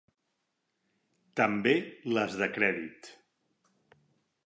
També les de crèdit.